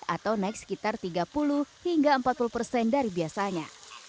atau naik sekitar tiga puluh hingga empat puluh persen dari biasanya